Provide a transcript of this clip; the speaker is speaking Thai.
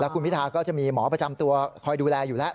คุณพิธาก็จะมีหมอประจำตัวคอยดูแลอยู่แล้ว